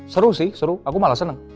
seru sih seru aku malah seneng